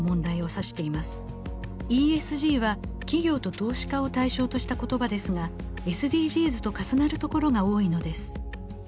ＥＳＧは企業と投資家を対象とした言葉ですがＳＤＧｓと重なるところが多いのです。